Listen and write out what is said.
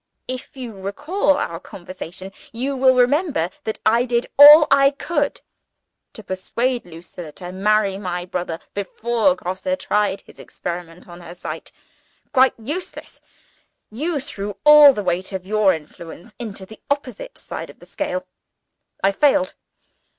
If you recall our conversation, you will remember that I did all I could to persuade Lucilla to marry my brother before Grosse tried his experiment on her sight. Quite useless! You threw all the weight of your influence into the opposite side of the scale. I failed.